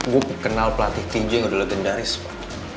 gue kenal pelatih tj yang udah lo dendari sobat